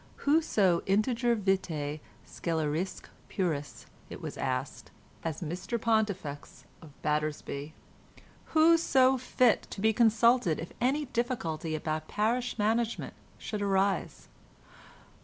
Who so integer vitæ scelerisque purus, it was asked, as Mr Pontifex of Battersby? Who so fit to be consulted if any difficulty about parish management should arise?